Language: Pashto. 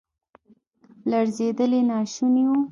لړزیدل یې ناشوني وو.